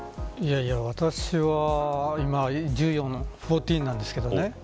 私は今１４なんですけどね